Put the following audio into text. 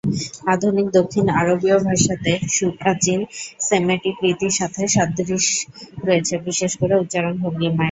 আধুনিক দক্ষিণ আরবীয় ভাষাতে সুপ্রাচীন সেমিটিক রীতির সাথে সাদৃশ্য রয়েছে, বিশেষ করে উচ্চারণ ভঙ্গিমায়।